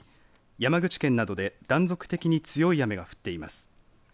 山口県などで断続的に強い雨が降っています。